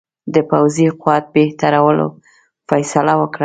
د پوځي قوت بهترولو فیصله وکړه.